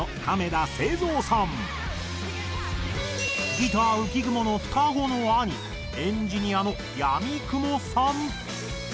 ギター浮雲の双子の兄エンジニアの闇雲さん。